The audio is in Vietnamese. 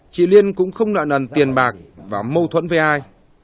chị liên cũng không nợ nần tiền bạc và mâu thuẫn với ai